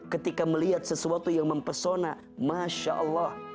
ketika melihat sesuatu yang mempesona mashallah